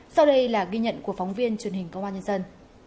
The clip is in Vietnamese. sau đây là ghi nhận của phóng viên truyền hình công an nhân dân